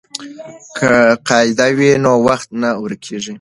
که قید وي نو وخت نه ورکېږي.